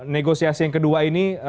negosiasi yang kedua ini